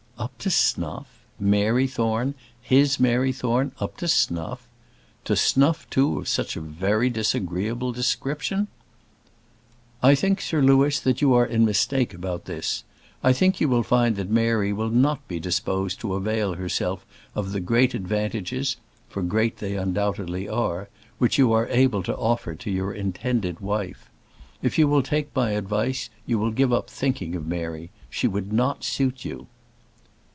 Up to snuff! Mary Thorne, his Mary Thorne, up to snuff! To snuff too of such a very disagreeable description! "I think, Sir Louis, that you are in mistake about this. I think you will find that Mary will not be disposed to avail herself of the great advantages for great they undoubtedly are which you are able to offer to your intended wife. If you will take my advice, you will give up thinking of Mary. She would not suit you."